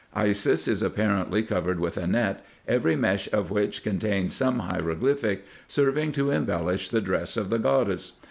Isis is apparently covered with a net, every mesh of which contains some hieroglyphic, serving to embellish the dress of the goddess.